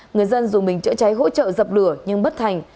người dân dùng bình chữa cháy hỗ trợ dập lửa nhưng bất thành